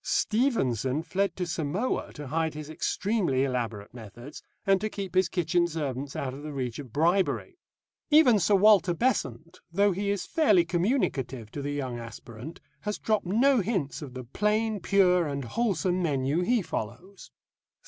Stevenson fled to Samoa to hide his extremely elaborate methods, and to keep his kitchen servants out of the reach of bribery. Even Sir Walter Besant, though he is fairly communicative to the young aspirant, has dropped no hints of the plain, pure, and wholesome menu he follows.